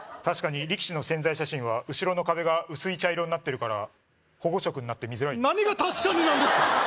確かに力士の宣材写真は後ろの壁が薄い茶色になってるから保護色になって見づらい何が確かになんですか？